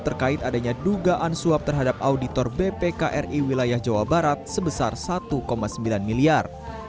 terkait adanya dugaan suap terhadap auditor bpkri wilayah jawa barat sebesar satu sembilan miliar